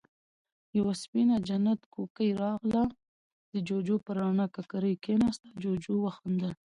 يوه سپينه جنت کوکۍ راغله، د جُوجُو پر رڼه ککری کېناسته، جُوجُو وخندل: